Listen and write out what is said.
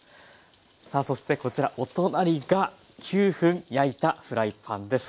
さあそしてこちらお隣が９分焼いたフライパンです。